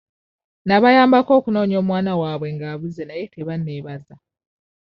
Nabayambako okunoonya omwana waabwe ng'abuze naye tebanneebaza.